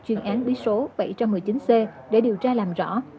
chuyên án bí số bảy trăm một mươi chín c để điều tra làm rõ